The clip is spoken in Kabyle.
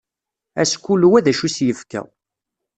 Ass kul wa d acu i s-yefka.